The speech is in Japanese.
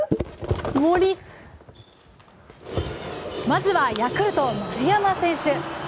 まずはヤクルト、丸山選手